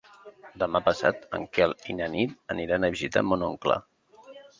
Demà passat en Quel i na Nit aniran a visitar mon oncle.